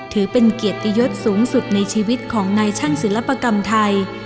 ถือเป็นเกียรติยศสูงสุดในชีวิตของนายช่างศิลปกรรมไทย